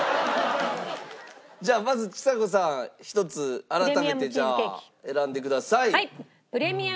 じゃあまずちさ子さん１つ改めて選んでください。